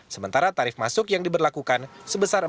sementara tarif masuk yang diberlakukan sebesar rp empat belas